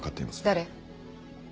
誰？